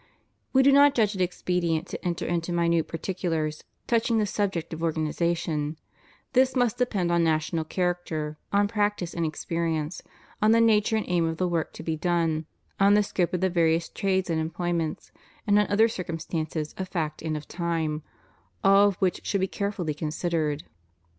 We do not judge it expedient to enter into minute particulars touching the subject of organization : this must depend on national character, on practice and experience, on the nature and aim of the work to be done, on the scope of the various trades and employments, and on other cir cumstances of fact and of time: — all of which should be carefully considered.